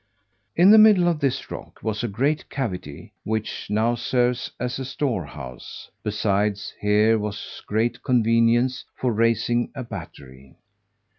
In the middle of this rock was a great cavity, which now serves for a storehouse: besides, here was great convenience for raising a battery.